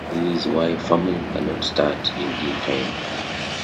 This is why farming cannot start in due time.